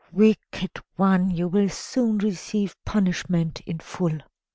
Wicked one, you will soon receive punishment in full."